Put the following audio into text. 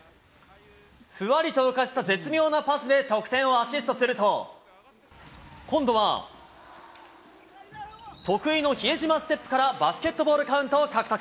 ふわりと浮かせた絶妙なパスで得点をアシストすると、今度は、得意の比江島ステップからバスケットボールカウントを獲得。